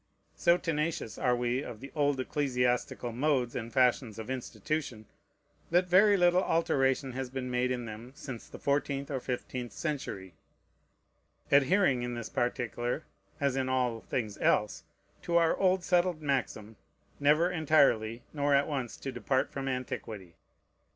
So tenacious are we of the old ecclesiastical modes and fashions of institution, that very little alteration has been made in them since the fourteenth or fifteenth century: adhering in this particular, as in all things else, to our old settled maxim, never entirely nor at once to depart from antiquity.